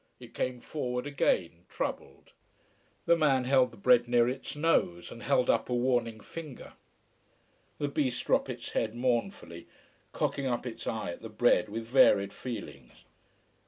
It came forward again, troubled. The man held the bread near its nose, and held up a warning finger. The beast dropped its head mournfully, cocking up its eye at the bread with varied feelings.